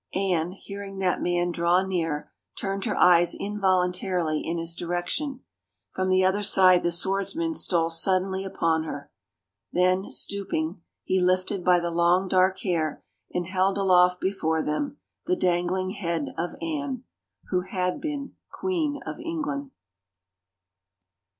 Anne, hearing that man draw near, turned her eyes involuntarily in his direction. From the other side the swordsman stole suddenly upon her. Then, stooping, he lifted by the long dark hair and held aloft before them the dangling head of Anne, who had been Queen of England.